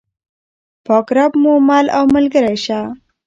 پاک رب مو مل او ملګری شه.